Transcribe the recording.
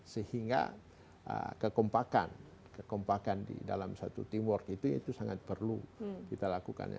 sehingga kekompakan kekompakan di dalam satu teamwork itu sangat perlu kita lakukan